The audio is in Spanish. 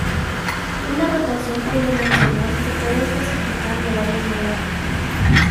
Una rotación tridimensional se puede especificar de varias maneras.